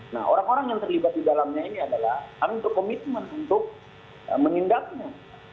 nah orang orang yang terlibat di dalamnya ini adalah kami untuk komitmen untuk mengindaknya